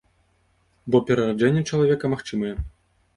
Бо перараджэнне чалавека магчымае.